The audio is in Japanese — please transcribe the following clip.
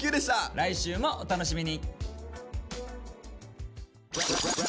来週もお楽しみに。